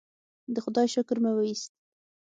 د خدای شکر مې وویست.